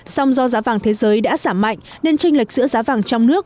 song do giá vàng thế giới đã giảm mạnh nên tranh lệch giữa giá vàng trong nước